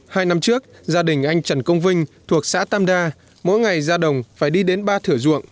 hai năm trước gia đình anh trần công vinh thuộc xã tam đa mỗi ngày ra đồng phải đi đến ba thửa ruộng